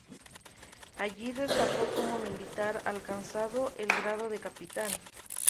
Allí, destacó como militar, alcanzando el grado de capitán.